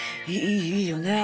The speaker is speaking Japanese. いいよね。